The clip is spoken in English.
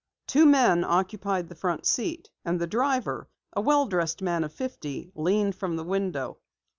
Two men occupied the front seat, and the driver, a well dressed man of fifty, leaned from the window.